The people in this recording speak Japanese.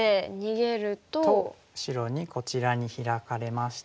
白にこちらにヒラかれまして。